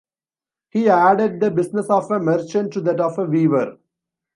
He added the business of a merchant to that of a weaver.